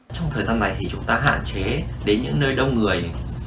trong thời gian này thì chúng ta hạn chế đến những nơi đông người